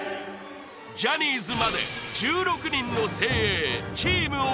ジャニーズまで１６人の精鋭チーム鬼